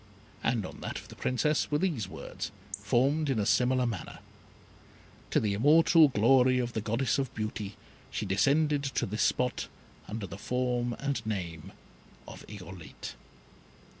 And on that of the Princess were these words, formed in a similar manner: "To the immortal glory Of the Goddess of Beauty. She descended to this spot Under the form and name of Irolite."